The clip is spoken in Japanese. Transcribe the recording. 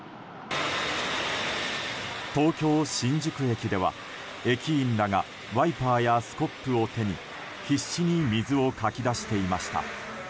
東京・新宿駅では、駅員らがワイパーやスコップを手に必死に水をかき出していました。